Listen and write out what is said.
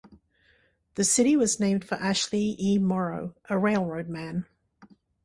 The city was named for Ashley E. Morrow, a railroad man.